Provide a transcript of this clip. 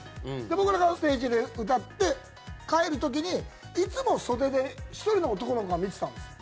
僕らがステージで歌って帰る時に、いつも袖で１人の男の子が見てたんです。